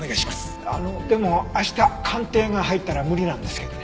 あのでも明日鑑定が入ったら無理なんですけどね。